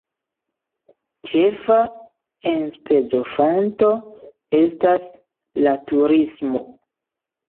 Ĉefa enspezofonto estas la turismo.